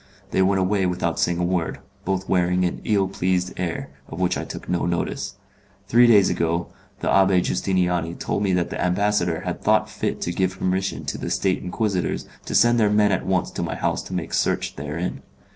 They went away without saying a word, both wearing an ill pleased air, of which I took no notice. Three days ago the Abbé Justiniani told me that the ambassador had thought fit to give permission to the State Inquisitors to send their men at once to my house to make search therein.